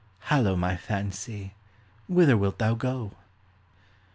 Hallo, my fancy, whither wilt thou go?